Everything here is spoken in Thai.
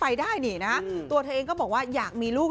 ไปได้นี่นะตัวเธอเองก็บอกว่าอยากมีลูก